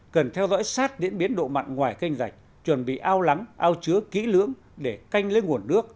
cần theo dõi sát diễn biến độ mặn ngoài canh rạch chuẩn bị ao lắng ao chứa kỹ lưỡng để canh lấy nguồn nước